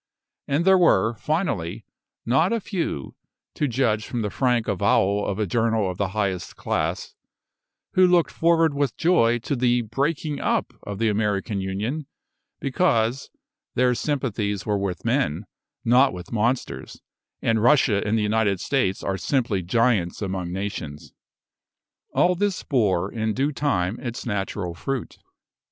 And there were, finally, not a few to judge from the frank avowal of a journal of the highest class who looked forward with joy to the breaking up of the American Union, because "their sympathies were with men, not with monsters, and Russia and the United States are simply giants among nations." All this bore, in due time, its natural fruit.